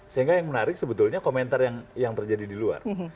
sehingga yang menarik sebetulnya komentar yang terjadi di luar